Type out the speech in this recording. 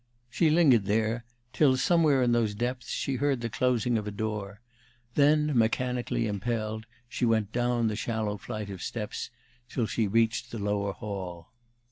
She lingered there till, somewhere in those depths, she heard the closing of a door; then, mechanically impelled, she went down the shallow flights of steps till she reached the lower hall.